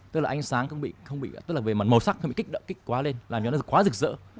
tức là ánh sáng không bị tức là về mặt màu sắc không bị kích quá lên làm cho nó quá rực rỡ